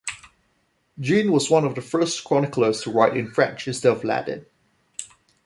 Jean was one of the first chroniclers to write in French instead of Latin.